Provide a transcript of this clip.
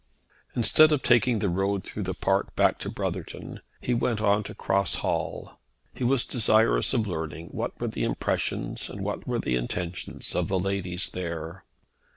Instead of taking the road through the park back to Brotherton, he went on to Cross Hall. He was desirous of learning what were the impressions, and what the intentions, of the ladies there.